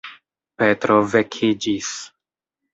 Petro vekiĝis.